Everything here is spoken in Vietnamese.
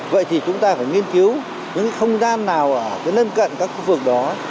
vậy thì chúng ta phải nghiên cứu những không gian nào ở nâng cận các khu vực đó